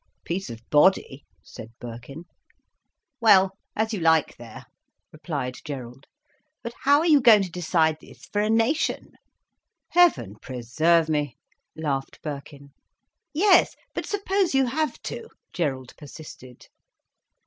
"Peace of body," said Birkin. "Well, as you like there," replied Gerald. "But how are you going to decide this for a nation?" "Heaven preserve me," laughed Birkin. "Yes, but suppose you have to?" Gerald persisted.